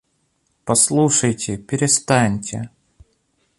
— Послушайте, перестаньте!